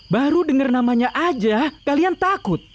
baru dengar namanya aja kalian takut